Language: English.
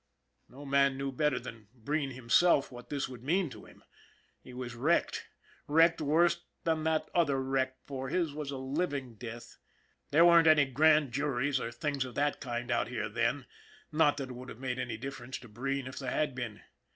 No man knew better than Breen himself what this would mean to him. He was wrecked, wrecked worse than that other wreck, for his was a living death. There weren't any grand jurys or things of that kind out here then, not that it would have made any differ ence to Breen if there had been.